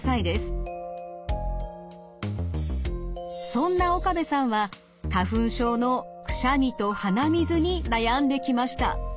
そんな岡部さんは花粉症のくしゃみと鼻水に悩んできました。